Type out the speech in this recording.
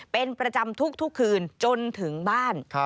เป็นประจำทุกคืนจนถึงบ้าน